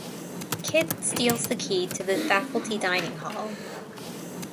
Kid steals the key to the faculty dining hall.